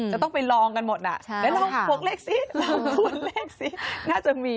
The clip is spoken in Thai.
จะต้องไปลองกันหมดน่ะแล้วลองฝกเลขสิลองค้นเลขสิ